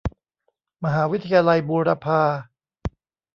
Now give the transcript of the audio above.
มหาวิทยาลัยบูรพา